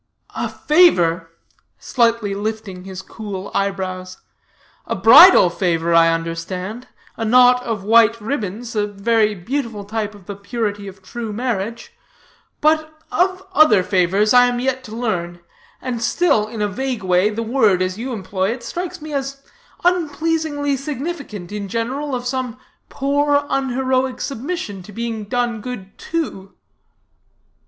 "A favor!" slightly lifting his cool eyebrows; "a bridal favor I understand, a knot of white ribands, a very beautiful type of the purity of true marriage; but of other favors I am yet to learn; and still, in a vague way, the word, as you employ it, strikes me as unpleasingly significant in general of some poor, unheroic submission to being done good to."